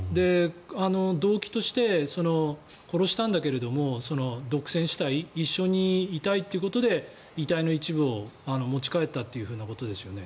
動機として殺したんだけれども独占したい一緒にいたいということで遺体の一部を持ち帰ったということですよね。